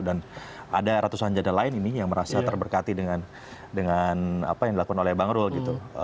dan ada ratusan jadwal lain ini yang merasa terberkati dengan dengan apa yang dilakukan oleh bang irul gitu